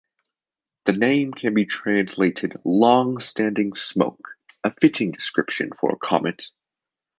The name can be translated 'long standing smoke', a fitting description for a comet.